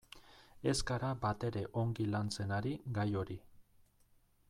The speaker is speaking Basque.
Ez gara batere ongi lantzen ari gai hori.